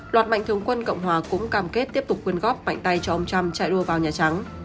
loạt mạnh thường quân cộng hòa cũng cam kết tiếp tục quyên góp mạnh tay cho ông trump chạy đua vào nhà trắng